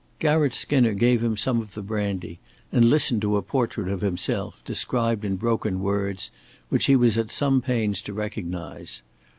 Garratt Skinner gave him some of the brandy and listened to a portrait of himself, described in broken words, which he was at some pains to recognize.